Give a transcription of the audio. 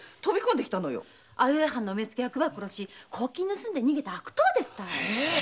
相生藩の目付役ば殺し公金盗んで逃げた悪党ですたい。